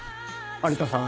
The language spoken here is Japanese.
有田さん